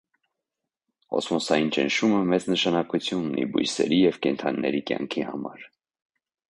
Օսմոսային ճնշումը մեծ նշանակություն ունի բույսերի և կենդանիների կյանքի համար։